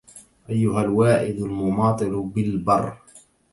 أيها الواعد المماطل بالبر